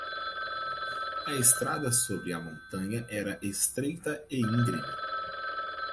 A estrada sobre a montanha era estreita e íngreme.